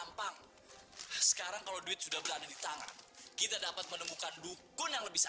makannya orang orang atsa syawal yang berada di depan ujung utuh telah terbakar